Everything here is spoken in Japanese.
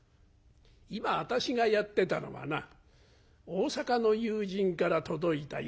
今私がやってたのはな大阪の友人から届いた『柳陰』というお酒だ。